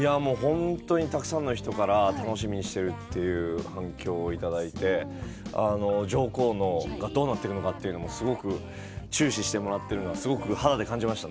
たくさんの人から楽しみにしているという反響をいただいて上皇がどうなっていくのかすごく注視していただいて肌で感じました。